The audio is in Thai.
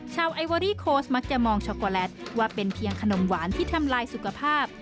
ไอเวอรี่โค้ชมักจะมองช็อกโกแลตว่าเป็นเพียงขนมหวานที่ทำลายสุขภาพ